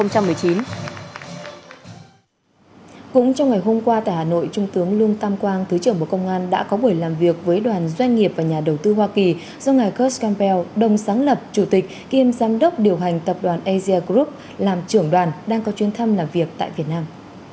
cũng trong ngày hôm qua tại hà nội trung tướng lương tam quang thứ trưởng bộ công an đã có buổi làm việc với đoàn doanh nghiệp và nhà đầu tư hoa kỳ do ngài kers kampeo đồng sáng lập chủ tịch kiêm giám đốc điều hành tập đoàn asia group làm trưởng đoàn đang có chuyến thăm làm việc tại việt nam